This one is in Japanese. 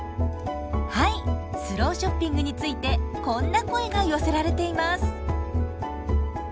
はいスローショッピングについてこんな声が寄せられています。